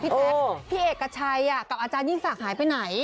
แจ๊คพี่เอกชัยกับอาจารยิ่งศักดิ์หายไปไหน